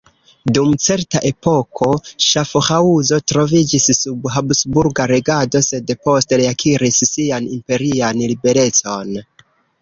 Dum certa epoko Ŝafhaŭzo troviĝis sub habsburga regado sed poste reakiris sian imperian liberecon.